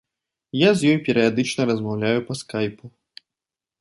Я з ёй перыядычна размаўляю па скайпу.